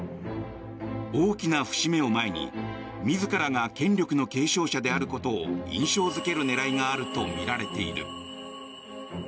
大きな節目を前に自らが権力の継承者であることを印象付ける狙いがあるとみられている。